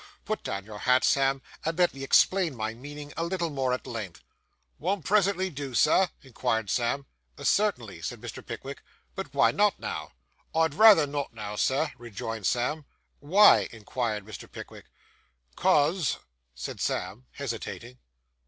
Put down your hat, Sam, and let me explain my meaning, a little more at length.' 'Won't presently do, sir?' inquired Sam. 'Certainly,' said Mr. Pickwick; 'but why not now?' 'I'd rayther not now, sir,' rejoined Sam. 'Why?' inquired Mr. Pickwick. ''Cause ' said Sam, hesitating.